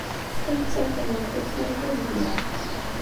Tamettant-nwent ad tili d amedya.